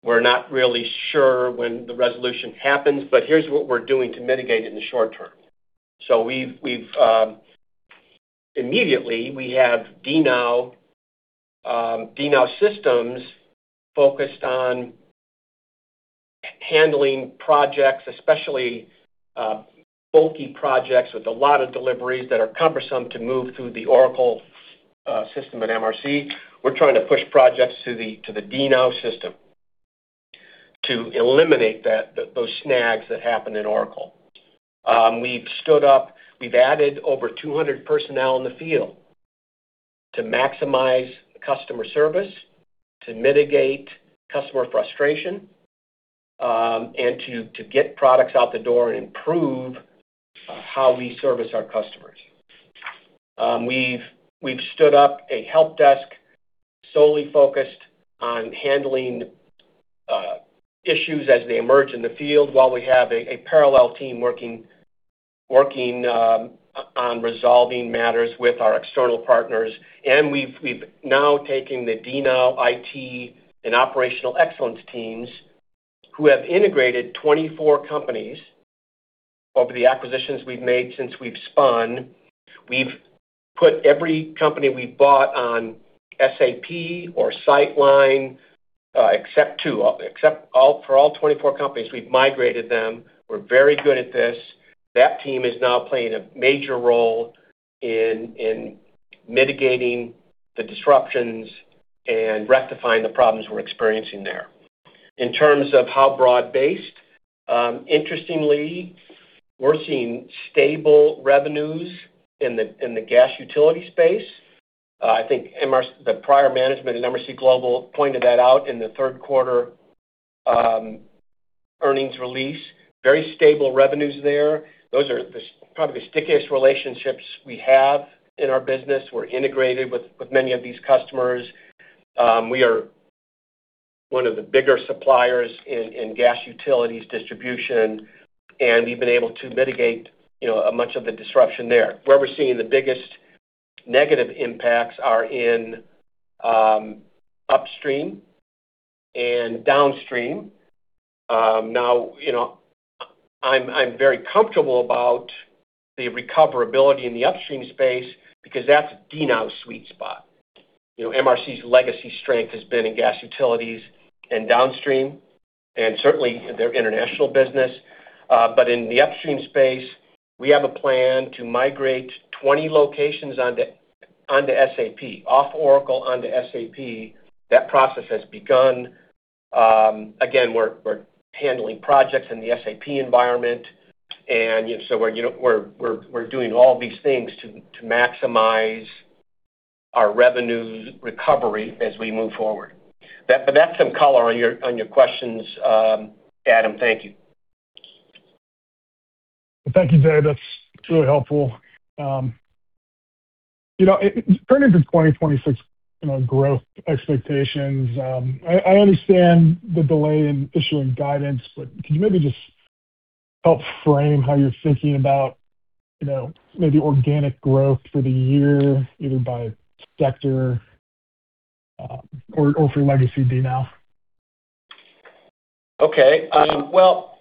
We're not really sure when the resolution happens, but here's what we're doing to mitigate it in the short term. So we've immediately we have DNOW systems focused on handling projects, especially bulky projects with a lot of deliveries that are cumbersome to move through the Oracle system at MRC. We're trying to push projects to the DNOW system to eliminate those snags that happen in Oracle. We've stood up, we've added over 200 personnel in the field to maximize customer service, to mitigate customer frustration, and to get products out the door and improve how we service our customers. We've stood up a help desk solely focused on handling issues as they emerge in the field, while we have a parallel team working on resolving matters with our external partners. And we've now taken the DNOW IT and operational excellence teams, who have integrated 24 companies over the acquisitions we've made since we've spun. We've put every company we've bought on SAP or SyteLine, except two. For all 24 companies, we've migrated them. We're very good at this. That team is now playing a major role in mitigating the disruptions and rectifying the problems we're experiencing there. In terms of how broad-based, interestingly, we're seeing stable revenues in the gas utility space. I think MRC—the prior management at MRC Global pointed that out in the third quarter earnings release. Very stable revenues there. Those are probably the stickiest relationships we have in our business. We're integrated with many of these customers. We are one of the bigger suppliers in gas utilities distribution, and we've been able to mitigate, you know, much of the disruption there. Where we're seeing the biggest negative impacts are in upstream and downstream. Now, you know, I'm very comfortable about the recoverability in the upstream space because that's DNOW's sweet spot. You know, MRC's legacy strength has been in gas utilities and downstream, and certainly their international business. But in the upstream space, we have a plan to migrate 20 locations onto SAP, off Oracle, onto SAP. That process has begun. Again, we're handling projects in the SAP environment, and so we're, you know, we're doing all these things to maximize our revenue recovery as we move forward. But that's some color on your questions, Adam. Thank you. Thank you, Dave. That's really helpful. You know, turning to 2026, you know, growth expectations, I understand the delay in issuing guidance, but can you maybe just help frame how you're thinking about, you know, maybe organic growth for the year, either by sector, or for legacy DNOW? Okay. Well,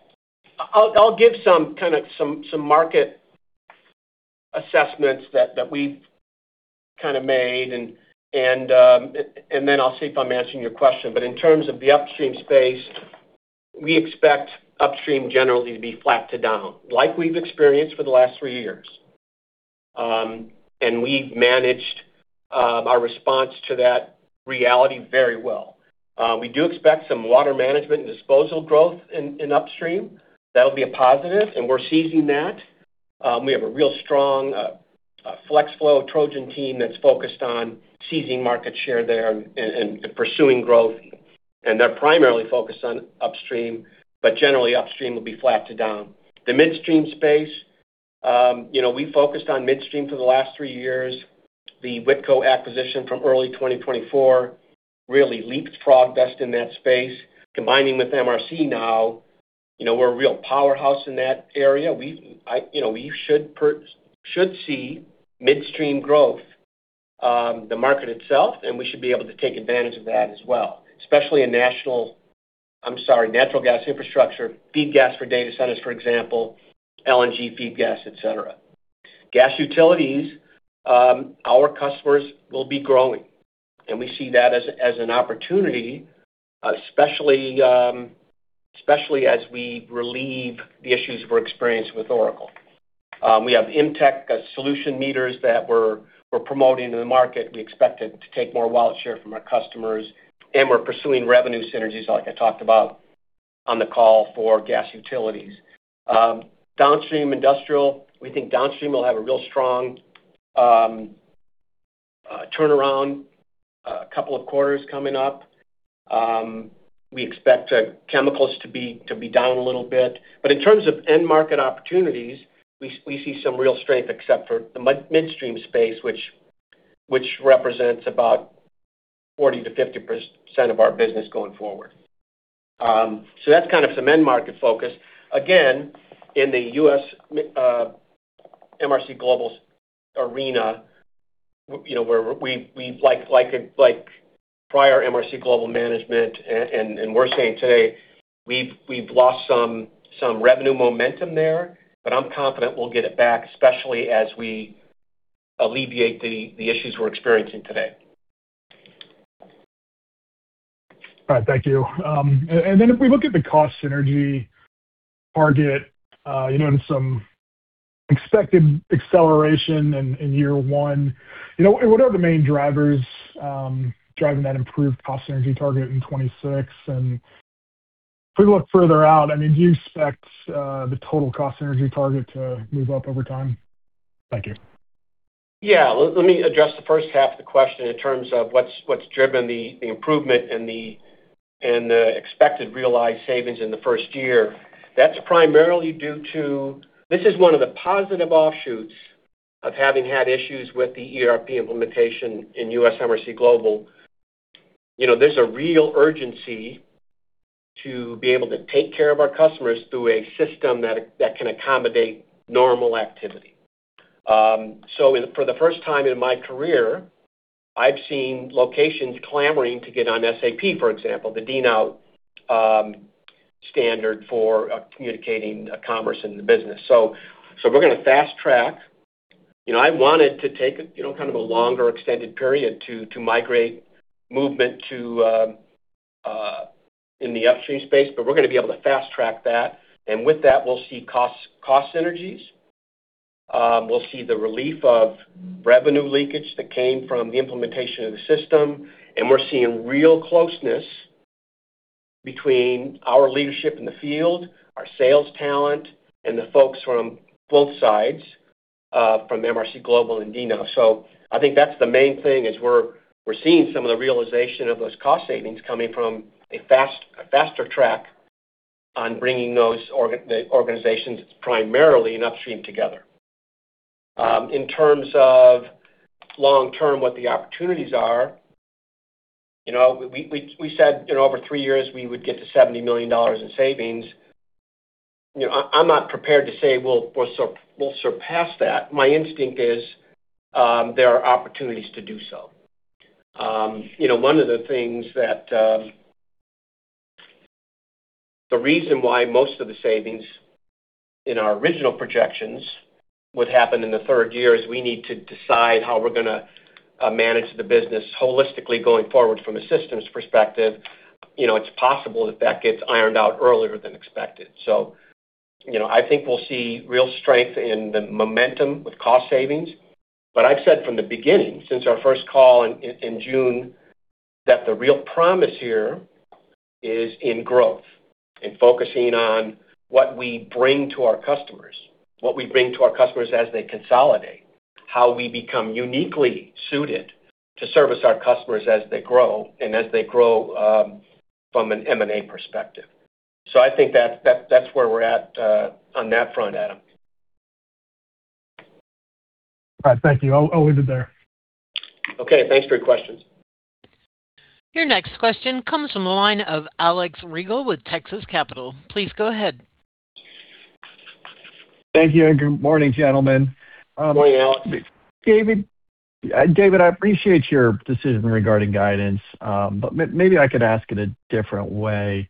I'll give some market assessments that we've kind of made, and then I'll see if I'm answering your question. But in terms of the upstream space, we expect upstream generally to be flat to down, like we've experienced for the last three years. And we've managed our response to that reality very well. We do expect some water management and disposal growth in upstream. That'll be a positive, and we're seizing that. We have a real strong Flex Flow, Trojan team that's focused on seizing market share there and pursuing growth. And they're primarily focused on upstream, but generally upstream will be flat to down. The midstream space, you know, we focused on midstream for the last three years. The Whitco acquisition from early 2024 really leapfrogged us in that space. Combining with MRC now, you know, we're a real powerhouse in that area. We—I, you know, we should see midstream growth, the market itself, and we should be able to take advantage of that as well, especially in national. I'm sorry, natural gas infrastructure, feed gas for data centers, for example, LNG feed gas, et cetera. Gas utilities, our customers will be growing, and we see that as, as an opportunity, especially, especially as we relieve the issues we're experiencing with Oracle. We have M-Tech solution meters that we're, we're promoting to the market. We expect it to take more wallet share from our customers, and we're pursuing revenue synergies, like I talked about on the call for gas utilities. Downstream industrial, we think downstream will have a real strong turnaround, couple of quarters coming up. We expect chemicals to be down a little bit, but in terms of end market opportunities, we see some real strength, except for the midstream space, which represents about 40%-50% of our business going forward. So that's kind of some end market focus. Again, in the U.S., MRC Global's arena, you know, where we have, like prior MRC Global management, and we're saying today, we've lost some revenue momentum there, but I'm confident we'll get it back, especially as we alleviate the issues we're experiencing today. All right. Thank you. And then if we look at the cost synergy target, you know, and some expected acceleration in year one, you know, what are the main drivers driving that improved cost synergy target in 2026? And if we look further out, I mean, do you expect the total cost synergy target to move up over time? Thank you. Yeah. Let me address the first half of the question in terms of what's driven the improvement and the expected realized savings in the first year. That's primarily due to—this is one of the positive offshoots of having had issues with the ERP implementation in U.S. MRC Global. You know, there's a real urgency to be able to take care of our customers through a system that can accommodate normal activity. So for the first time in my career, I've seen locations clamoring to get on SAP, for example, the DNOW standard for communicating commerce in the business. So we're gonna fast track. You know, I wanted to take, you know, kind of a longer extended period to migrate movement to in the upstream space, but we're gonna be able to fast track that. With that, we'll see cost synergies. We'll see the relief of revenue leakage that came from the implementation of the system, and we're seeing real closeness between our leadership in the field, our sales talent, and the folks from both sides, from MRC Global and DNOW. So I think that's the main thing, is we're seeing some of the realization of those cost savings coming from a faster track on bringing those organizations, primarily in upstream, together. In terms of long term, what the opportunities are, you know, we said, you know, over three years we would get to $70 million in savings. You know, I'm not prepared to say we'll surpass that. My instinct is, there are opportunities to do so. You know, one of the things that—the reason why most of the savings in our original projections would happen in the third year is we need to decide how we're gonna manage the business holistically going forward from a systems perspective. You know, it's possible that that gets ironed out earlier than expected. So, you know, I think we'll see real strength in the momentum with cost savings. But I've said from the beginning, since our first call in June, that the real promise here is in growth and focusing on what we bring to our customers, what we bring to our customers as they consolidate, how we become uniquely suited to service our customers as they grow and as they grow from an M&A perspective. So I think that's where we're at on that front, Adam. All right. Thank you. I'll leave it there. Okay, thanks for your questions. Your next question comes from the line of Alex Rygiel with Texas Capital. Please go ahead. Thank you, and good morning, gentlemen. Good morning, Alex. David, David, I appreciate your decision regarding guidance, but maybe I could ask it a different way.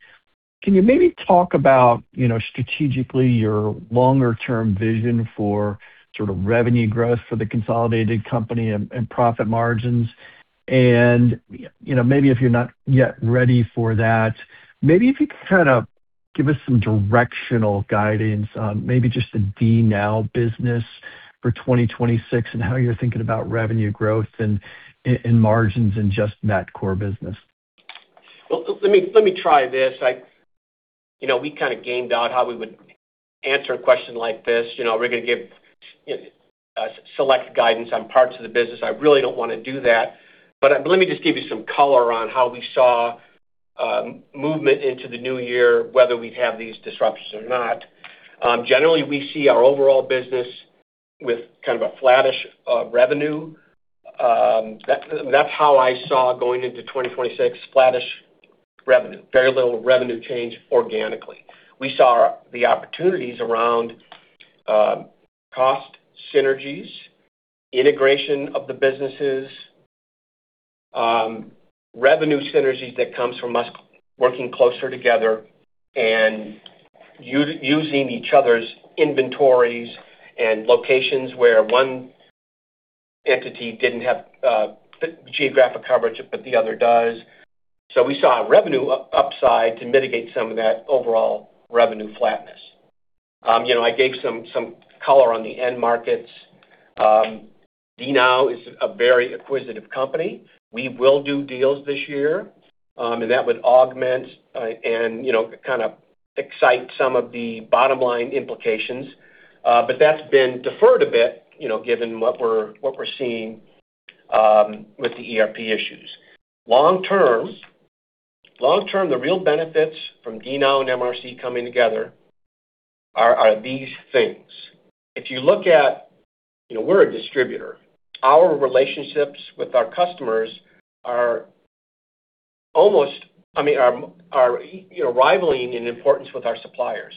Can you maybe talk about, you know, strategically, your longer term vision for sort of revenue growth for the consolidated company and profit margins? And, you know, maybe if you're not yet ready for that, maybe if you could kind of give us some directional guidance on maybe just the DNOW business for 2026 and how you're thinking about revenue growth and margins in just that core business. Well, let me try this. I—you know, we kind of gamed out how we would answer a question like this. You know, we're gonna give select guidance on parts of the business. I really don't wanna do that, but let me just give you some color on how we saw movement into the new year, whether we have these disruptions or not. Generally, we see our overall business with kind of a flattish revenue. That how I saw going into 2026, flattish revenue, very little revenue change organically. We saw the opportunities around cost synergies, integration of the businesses, revenue synergies that comes from us working closer together and us using each other's inventories and locations where one entity didn't have geographic coverage, but the other does. So we saw a revenue upside to mitigate some of that overall revenue flatness. You know, I gave some color on the end markets. DNOW is a very acquisitive company. We will do deals this year, and that would augment, and, you know, kind of excite some of the bottom line implications. But that's been deferred a bit, you know, given what we're seeing with the ERP issues. Long term, long term, the real benefits from DNOW and MRC coming together are these things: If you look at—you know, we're a distributor. Our relationships with our customers are almost—I mean, are, you know, rivaling in importance with our suppliers.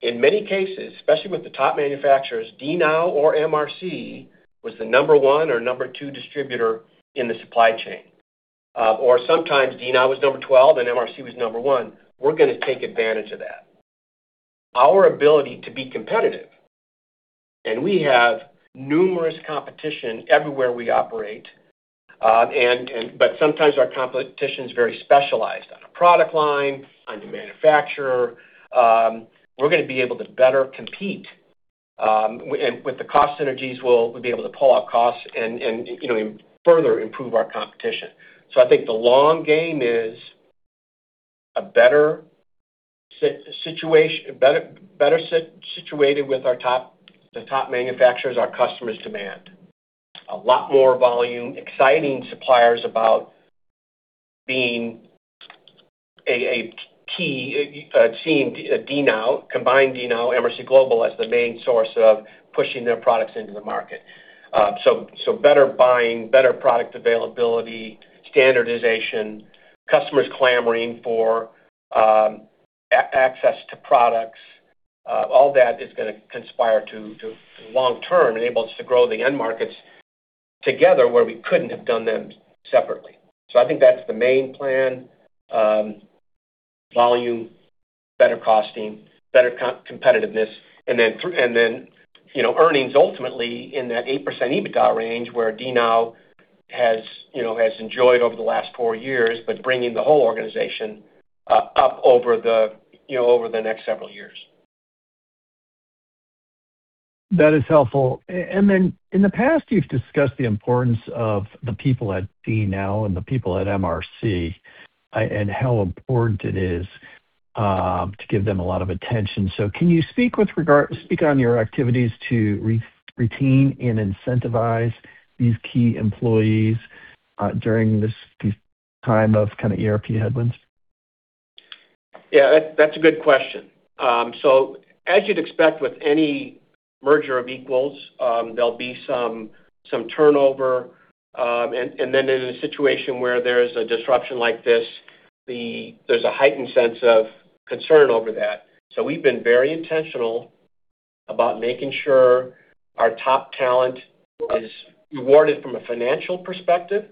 In many cases, especially with the top manufacturers, DNOW or MRC was the number one or number two distributor in the supply chain. Or sometimes DNOW was number 12, and MRC was number one. We're gonna take advantage of that. Our ability to be competitive, and we have numerous competition everywhere we operate, and but sometimes our competition is very specialized on a product line, on the manufacturer, we're gonna be able to better compete, and with the cost synergies, we'll be able to pull out costs and, you know, further improve our competition. So I think the long game is a better situation, better situated with the top manufacturers our customers demand. A lot more volume, exciting suppliers about being a key team, DNOW, combined DNOW, MRC Global, as the main source of pushing their products into the market. So, better buying, better product availability, standardization, customers clamoring for access to products, all that is gonna conspire to long term enable us to grow the end markets together, where we couldn't have done them separately. So I think that's the main plan. Volume, better costing, better competitiveness, and then, you know, earnings ultimately in that 8% EBITDA range where DNOW has, you know, has enjoyed over the last four years, but bringing the whole organization up over the, you know, over the next several years. That is helpful. And then in the past, you've discussed the importance of the people at DNOW and the people at MRC, and how important it is to give them a lot of attention. So can you speak on your activities to retain and incentivize these key employees during this time of kind of ERP headwinds? Yeah, that's a good question. So as you'd expect with any merger of equals, there'll be some turnover, and then in a situation where there's a disruption like this, there's a heightened sense of concern over that. So we've been very intentional about making sure our top talent is rewarded from a financial perspective,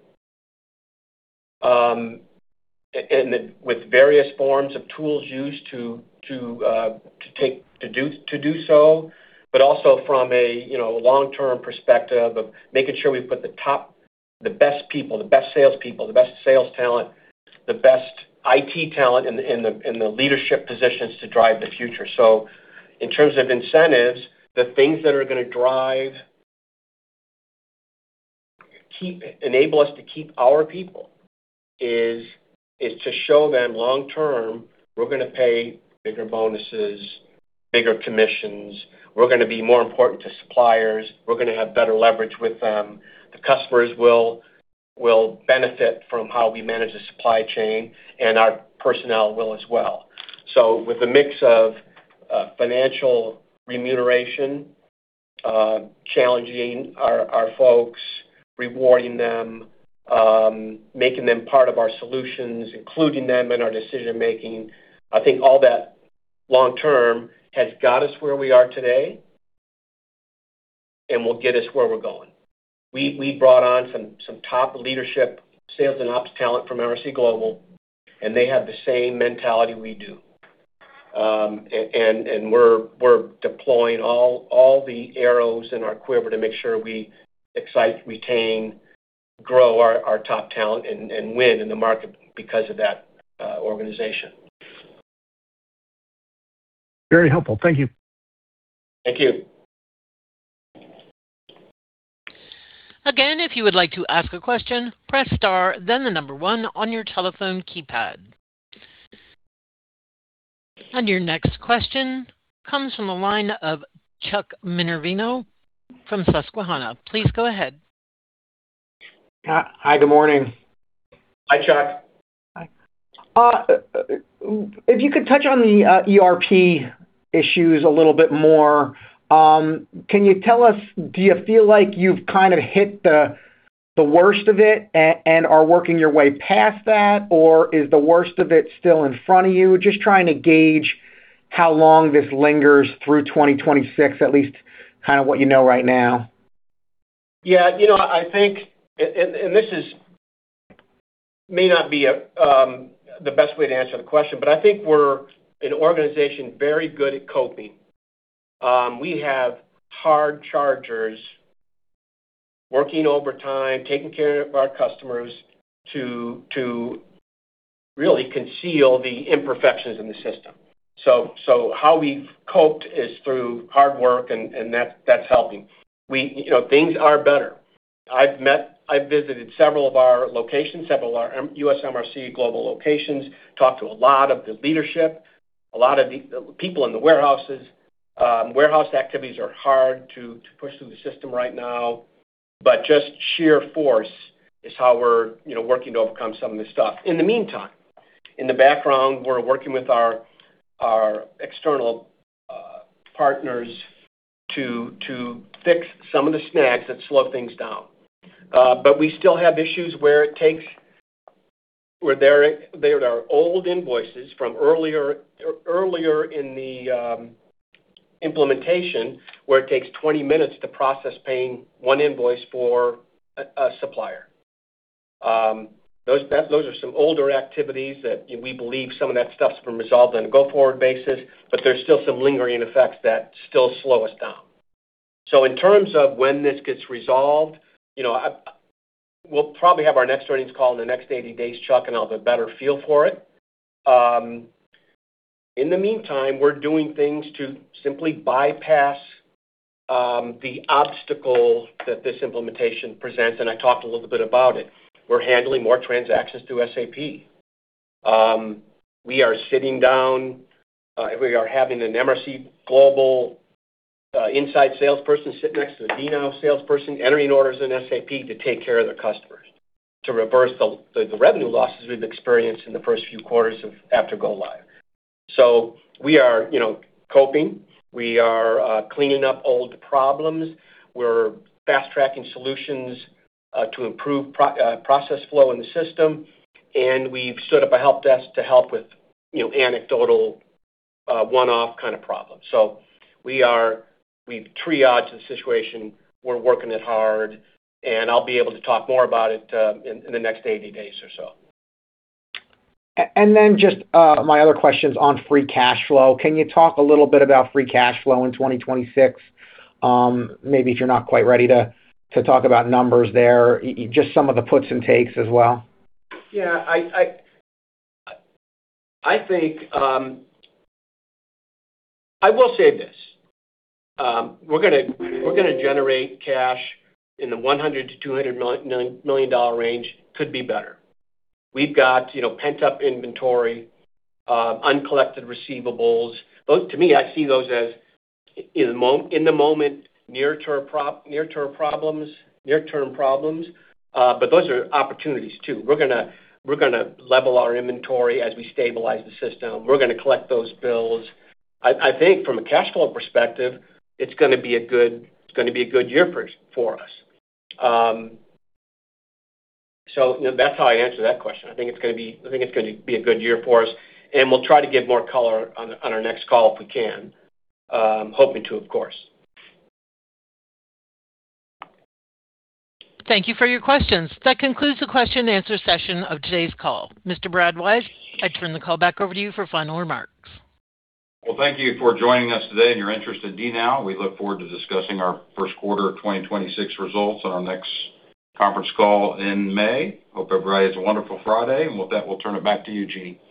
and with various forms of tools used to do so, but also from a, you know, long-term perspective of making sure we put the top, the best people, the best salespeople, the best sales talent, the best IT talent in the leadership positions to drive the future. So in terms of incentives, the things that are gonna drive, keep—enable us to keep our people is to show them long term, we're gonna pay bigger bonuses, bigger commissions. We're gonna be more important to suppliers. We're gonna have better leverage with them. The customers will benefit from how we manage the supply chain, and our personnel will as well. So with a mix of financial remuneration, challenging our folks, rewarding them, making them part of our solutions, including them in our decision-making, I think all that long term has got us where we are today and will get us where we're going. We brought on some top leadership sales and ops talent from MRC Global, and they have the same mentality we do. We're deploying all the arrows in our quiver to make sure we excite, retain, grow our top talent and win in the market because of that organization. Very helpful. Thank you. Thank you. Again, if you would like to ask a question, press star, then the number one on your telephone keypad. Your next question comes from the line of Chuck Minervino from Susquehanna. Please go ahead. Hi, good morning. Hi, Chuck. Hi. If you could touch on the ERP issues a little bit more, can you tell us, do you feel like you've kind of hit the worst of it and are working your way past that, or is the worst of it still in front of you? Just trying to gauge how long this lingers through 2026, at least kind of what you know right now. Yeah, you know, I think this is may not be the best way to answer the question, but I think we're an organization very good at coping. We have hard chargers working overtime, taking care of our customers to really conceal the imperfections in the system. So how we've coped is through hard work, and that's helping. You know, things are better. I've visited several of our locations, several of our U.S. MRC Global locations, talked to a lot of the leadership, a lot of the people in the warehouses. Warehouse activities are hard to push through the system right now, but just sheer force is how we're working to overcome some of this stuff. In the meantime, in the background, we're working with our external partners to fix some of the snags that slow things down. But we still have issues where it takes where there are old invoices from earlier in the implementation, where it takes 20 minutes to process paying one invoice for a supplier. Those are some older activities that we believe some of that stuff's been resolved on a go-forward basis, but there's still some lingering effects that still slow us down. So in terms of when this gets resolved, you know, we'll probably have our next earnings call in the next 80 days, Chuck, and I'll have a better feel for it. In the meantime, we're doing things to simply bypass the obstacle that this implementation presents, and I talked a little bit about it. We're handling more transactions through SAP. We are sitting down, we are having an MRC Global inside salesperson sit next to the DNOW salesperson, entering orders in SAP to take care of their customers, to reverse the revenue losses we've experienced in the first few quarters after go-live. So we are, you know, coping. We are cleaning up old problems. We're fast-tracking solutions to improve process flow in the system, and we've set up a help desk to help with, you know, anecdotal one-off kind of problems. So we've triaged the situation, we're working it hard, and I'll be able to talk more about it in the next 80 days or so. And then just, my other question is on free cash flow. Can you talk a little bit about free cash flow in 2026? Maybe if you're not quite ready to talk about numbers there, just some of the puts and takes as well. Yeah, I think I will say this, we're gonna generate cash in the $100 million-$200 million range. Could be better. We've got, you know, pent-up inventory, uncollected receivables. Those, to me, I see those as in the moment, near-term problems, near-term problems, but those are opportunities, too. We're gonna level our inventory as we stabilize the system. We're gonna collect those bills. I think from a cash flow perspective, it's gonna be a good year for us. So that's how I answer that question. I think it's gonna be a good year for us, and we'll try to give more color on our next call if we can. Hoping to, of course. Thank you for your questions. That concludes the question and answer session of today's call. Mr. Brad Wise, I turn the call back over to you for final remarks. Well, thank you for joining us today and your interest in DNOW. We look forward to discussing our first quarter of 2026 results on our next conference call in May. Hope everybody has a wonderful Friday, and with that, we'll turn it back to you, Jeannie.